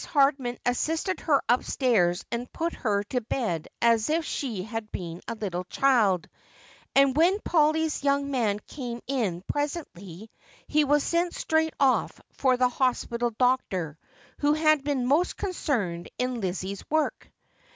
Hardman assisted her upstairs and put her to bed as if she had been a little child ; and when Polly's young man came in presently he was sent straight off for the hospital doctor, who had been most concerned in Lizzie's work.